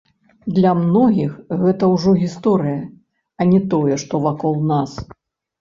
Для многіх гэта ўжо гісторыя, а не тое, што вакол нас.